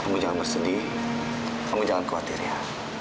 kamu jangan bersedih kamu jangan khawatir ya